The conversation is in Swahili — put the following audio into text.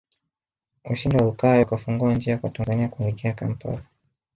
Ushindi wa Lukaya ukafungua njia kwa Tanzania kuelekea Kampala